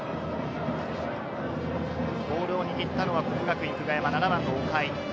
ボールを握ったのは國學院久我山・７番の岡井。